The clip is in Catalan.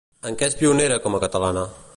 En què és pionera com a catalana?